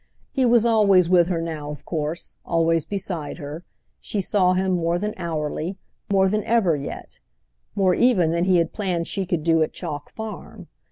He was always with her now, of course, always beside her; she saw him more than "hourly," more than ever yet, more even than he had planned she should do at Chalk Farm.